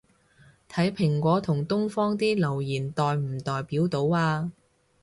睇蘋果同東方啲留言代唔代表到吖